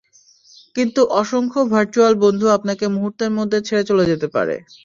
কিন্তু অসংখ্য ভারচুয়াল বন্ধু আপনাকে মুহূর্তের মধ্যে ছেড়ে চলে যেতে পারে।